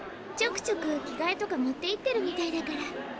ちょくちょく着がえとか持っていってるみたいだから。